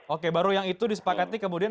oke baru yang itu disepakati kemudian